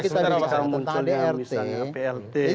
kalau muncul adrt